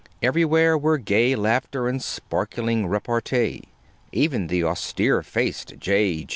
Everywhere were gay laughter and sparkling repartee. Even the austere faced J.